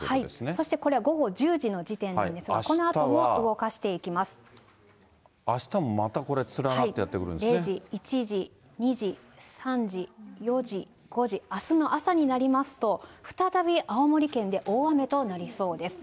そしてこれは午後１０時の時点なんですが、このあとも動かしあしたもまたこれ、０時、１時、２時、３時、４時、５時、あすの朝になりますと、再び青森県で大雨となりそうです。